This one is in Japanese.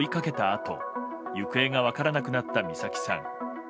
あと行方が分からなくなった美咲さん。